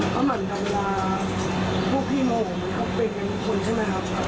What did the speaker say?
เขาไม่ได้ดูเราเผ็ดกระบาด